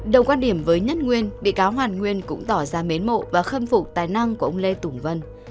đồng quan điểm với nhất nguyên bị cáo hoàn nguyên cũng tỏ ra mến mộ và khâm phục tài năng của ông lê tùng vân